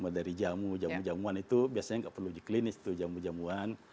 dari jamu jamu jamuan itu biasanya nggak perlu uji klinis tuh jamu jamuan